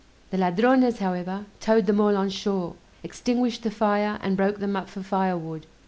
The Ladrones, however, towed them all on shore, extinguished the fire, and broke them up for fire wood.